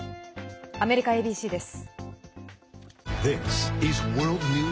アメリカＡＢＣです。